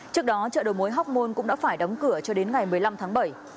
trước đó chợ đầu mối hoc mon cũng đã phải đóng cửa cho đến ngày một mươi năm tháng bảy